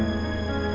ini udah berakhir